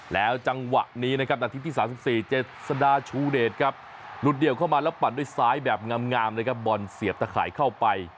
แล้วจังหวะนี้นะครับนาทีที่๓๔เจษดาชูเดชครับหลุดเดี่ยวเข้ามาแล้วปั่นด้วยซ้ายแบบงามนะครับบอลเสียบตะข่ายเข้าไป